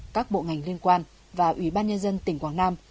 các bộ ngành liên quan và ủy ban nhân dân tỉnh quảng nam